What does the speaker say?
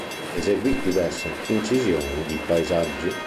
Eseguì diverse incisioni di paesaggi.